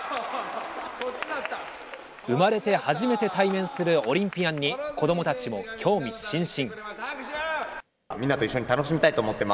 生まれて初めて対面するオリンピアンに子どもたちも興味津々。